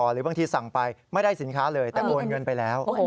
หรือบางทีสั่งไปไม่ได้สินค้าเลยแต่โอนเงินไปแล้ว